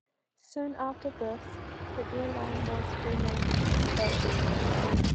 Soon after this, the airline was renamed ExpoAir.